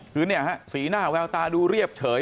คือเนี่ยฮะสีหน้าแววตาดูเรียบเฉย